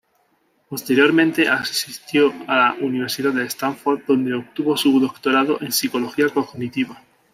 Posteriormente asistió a la Universidad de Stanford, donde obtuvo su doctorado en psicología cognitiva.